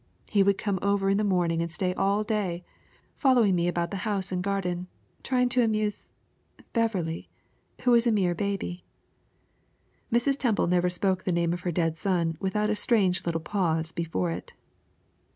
He would come over in the morning and stay all day, following me about the house and garden, trying to amuse Beverley, who was a mere baby." Mrs. Temple never spoke the name of her dead son without a strange little pause before it.